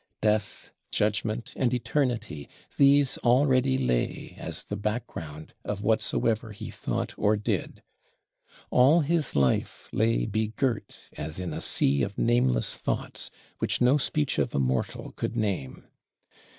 Death, Judgment, and Eternity: these already lay as the background of whatsoever he thought or did. All his life lay begirt as in a sea of nameless Thoughts, which no speech of a mortal could name.